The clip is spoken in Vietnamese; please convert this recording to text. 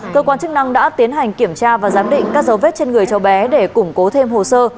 cơ quan chức năng đã tiến hành kiểm tra và giám định các dấu vết trên người cháu bé để củng cố thêm hồ sơ